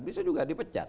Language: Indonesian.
bisa juga dipecat